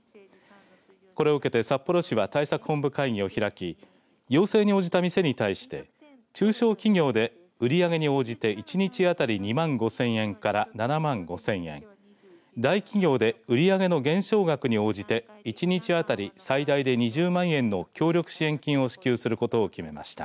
これを受けて札幌市は対策本部会議を開き要請に応じた店に対して中小企業で売り上げに応じて１日当たり２万５０００円から７万５０００円大企業で売り上げの減少額に応じて１日当たり最大で２０万円の協力支援金を支給することを決めました。